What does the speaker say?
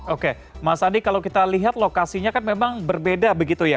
oke mas andi kalau kita lihat lokasinya kan memang berbeda begitu ya